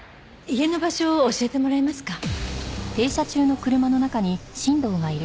家の場所教えてもらえますか？